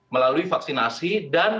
melalui vaksinasi dan